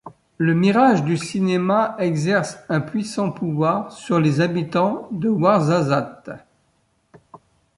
Le mirage du cinéma exerce un puissant pouvoir sur les habitants de Ouarzazate.